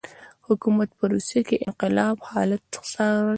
حکومت په روسیه کې انقلاب حالات څارل.